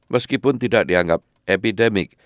meskipun tidak dianggap epidemik